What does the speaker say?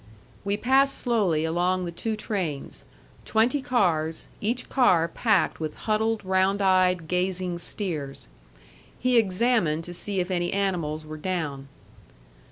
We passed slowly along the two trains, twenty cars, each car packed with huddled, round eyed, gazing steers. He examined to see if any animals were down.